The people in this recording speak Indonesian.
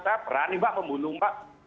saya berani mbak membunuh mbak